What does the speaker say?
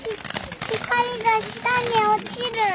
光が下に落ちる！